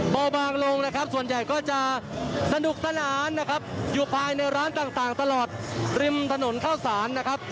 เบาบางลงส่วนใหญ่ก็จะสนุกสนานอยู่ภายในร้านต่างตลอดริมถนนข้าวสาร